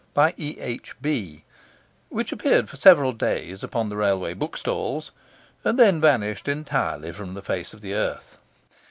by E. H. B., which appeared for several days upon the railway bookstalls and then vanished entirely from the face of the earth.